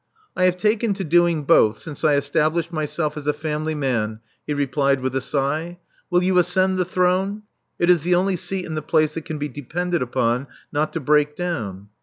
I have taken to doing both since I established my self as a family man," he replied with a sigh. Will you ascend the i throne? It is the only seat in the place that can be depended upon not to break down."